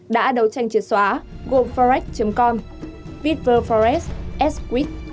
đã đấu tranh chiếc xóa gồm forex com viver forest s quid